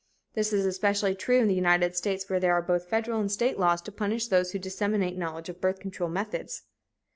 This is especially true in the United States where there are both federal and state laws to punish those who disseminate knowledge of birth control methods.